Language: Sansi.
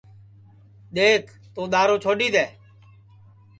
دؔیکھ توں دؔارو چھوڈؔی دؔے